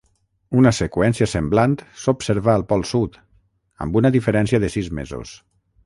Una seqüència semblant s'observa al pol Sud, amb una diferència de sis mesos.